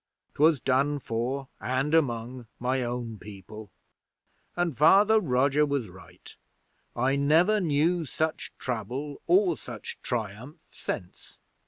'Twas done for and among my own people, and Father Roger was right I never knew such trouble or such triumph since.